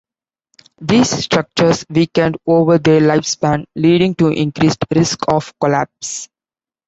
These structures weakened over their lifespan leading to increased risk of collapse.